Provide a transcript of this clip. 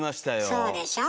そうでしょ？